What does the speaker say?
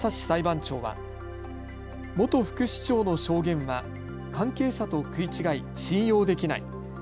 裁判長は元副市長の証言は関係者と食い違い、信用できない。